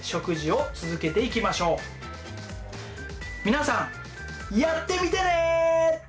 皆さんやってみてね！